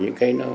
những cái đó